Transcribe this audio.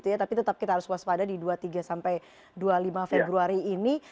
tapi tetap kita harus waspada di dua puluh tiga sampai dua puluh lima februari ini